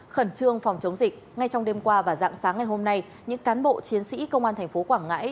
khẩn trương phòng chống dịch ngay trong đêm qua và dạng sáng ngày hôm nay những cán bộ chiến sĩ công an thành phố quảng ngãi